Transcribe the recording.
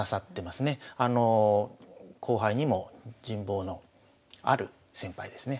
後輩にも人望のある先輩ですね。